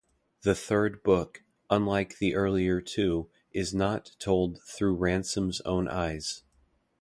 The third book, unlike the earlier two, is not told through Ransom's own eyes.